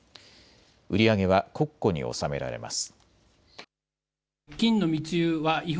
売り上げは国庫に納められます。